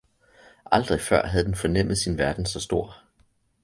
Aldrig før havde den fornemmet sin verden så stor.